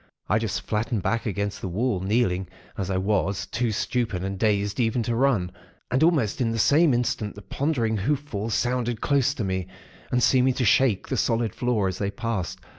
I just flattened back against the wall, kneeling, as I was, too stupid and dazed even to run. And almost in the same instant the ponderous hoof falls sounded close to me, and seeming to shake the solid floor, as they passed.